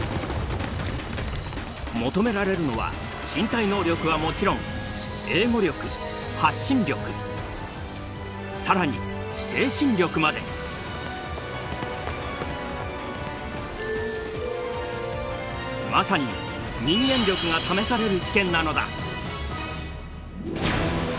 求められるのは身体能力はもちろん更にまさに「人間力」が試される試験なのだ。